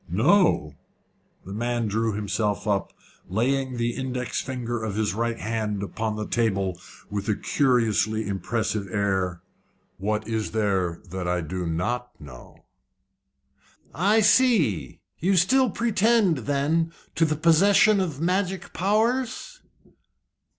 "Know!" The man drew himself up, laying the index finger of his right hand upon the table with a curiously impressive air. "What is there that I do not know?" "I see. You still pretend, then, to the possession of magic powers?"